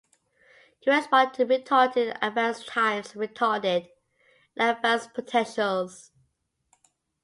Corresponding to retarded and advanced times are retarded and advanced potentials.